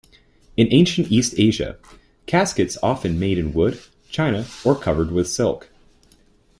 In ancient East Asia, caskets often made in wood, china, or covered with silk.